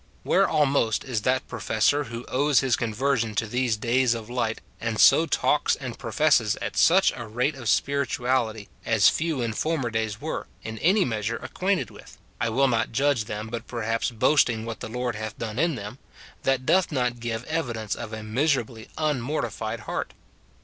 Where almost is that professor who owes his conversion to these days of light, and so talks and professes at such a rate of spirituality as few in former days were, in any measure, acquainted with, (I will not judge them, but "per haps boasting what the Lord hath done in them), that doth not give evidence of a miserably unmortified heart